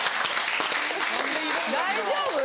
大丈夫？